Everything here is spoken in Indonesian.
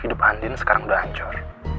hidup andin sekarang sudah hancur